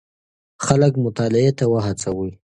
خلک مطالعې ته وهڅوئ.